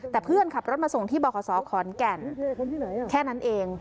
แต่เพื่อนขับรถมาส่งที่บขศขอนแก่นแค่นั้นเอง